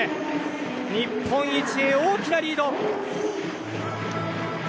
日本一へ大きなリード。